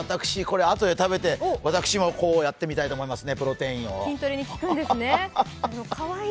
あとで食べて、私もこうやってみたいと思いますね、プロテインを。